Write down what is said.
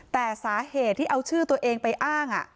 แต่สาเหตุที่เอาชื่อตัวเองไปอ้าง